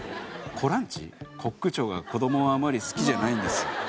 「コック長が子供をあまり好きじゃないんです」